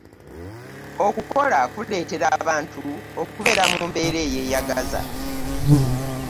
okukola kuleetera abantu okubeera mu mbeera eyeeyagaza.